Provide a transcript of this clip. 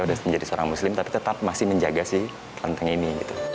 udah menjadi seorang muslim tapi tetap masih menjaga si kelenteng ini